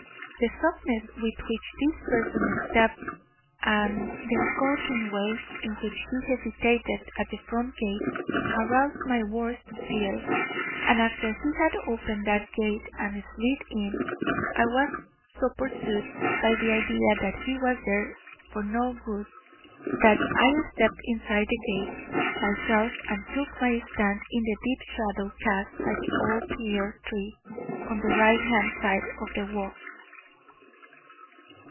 The softness with which this person stepped and the skulking way in which he hesitated at the front gate aroused my worst fears, and after he had opened that gate and slid in, I was so pursued by the idea that he was there for no good that I stepped inside the gate myself and took my stand in the deep shadow cast by the old pear tree on the right hand side of the walk.